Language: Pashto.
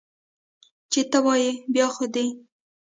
چې ته وایې، بیا خو دي!